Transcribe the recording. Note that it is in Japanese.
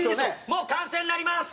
もう完成になります！